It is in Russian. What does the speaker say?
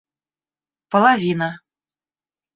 половина